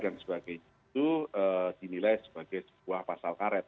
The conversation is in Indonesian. dan sebagainya itu dinilai sebagai sebuah pasal karet